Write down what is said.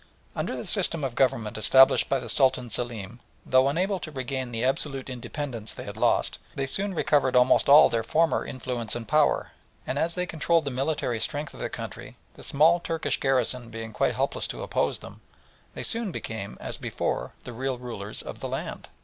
Under the system of government established by the Sultan Selim, though unable to regain the absolute independence they had lost, they soon recovered almost all their former influence and power, and as they controlled the military strength of the country, the small Turkish garrison being quite helpless to oppose them, they soon became, as before, the real rulers of the land.